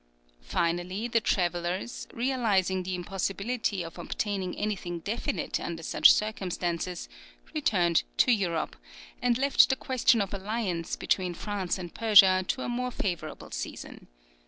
Finally, the travellers, realizing the impossibility of obtaining anything definite under such circumstances, returned to Europe, and left the question of alliance between France and Persia to a more favourable season.